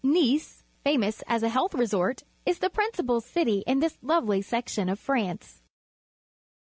jNicfj famous as a health resort, is the principal city in this lovely section of France.